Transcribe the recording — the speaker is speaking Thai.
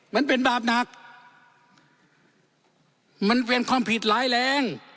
มันเป็นบาปหนักมันเป็นความผิดร้ายแรง